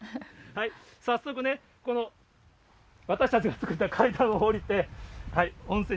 早速ね、私たちが作った階段を下りて、温泉に。